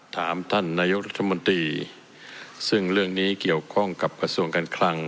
ถามท่านนายกรัฐมนตรีซึ่งเรื่องนี้เกี่ยวข้องกับกระทรวงการคลัง